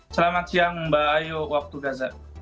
selamat siang mbak ayu waktu gaza